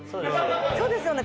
そうですよね